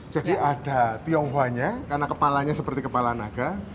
jadi ada tionghoanya karena kepalanya seperti kepala naga